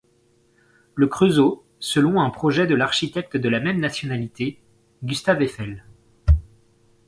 Le Creusot, selon un projet de l'architecte de la même nationalité, Gustave Eiffel.